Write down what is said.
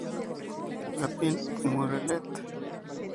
Le Pin-Murelet